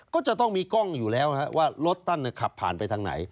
ก็จะต้องมีกล้องอยู่แล้วว่ารถท่านขับผ่านไปทางไหน